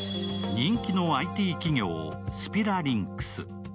人気のＩＴ企業、スピラリンクス。